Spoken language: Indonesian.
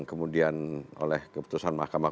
kemudian oleh keputusan mahkamah